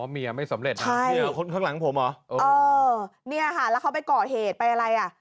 เมียไม่สำเร็จนะเมียคนข้างหลังผมเหรอเออเนี่ยค่ะแล้วเขาไปก่อเหตุไปอะไรอ่ะ